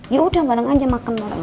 yaudah bareng aja makan bareng